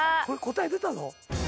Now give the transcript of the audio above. これ答え出たぞ。